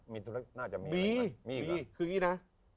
มีคืองี้นะ